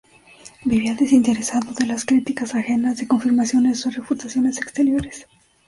Vivía desinteresado de las críticas ajenas, de confirmaciones o refutaciones exteriores.